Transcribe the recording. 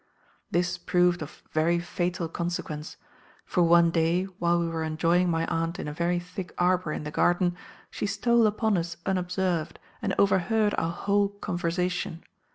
"This proved of very fatal consequence; for one day, while we were enjoying my aunt in a very thick arbour in the garden, she stole upon us unobserved, and overheard our whole conversation.